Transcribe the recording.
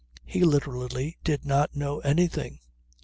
He literally did not know anything